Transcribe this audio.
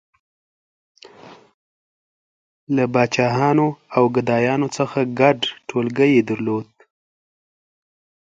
• له پاچاهانو او ګدایانو څخه ګډ ټولګی یې درلود.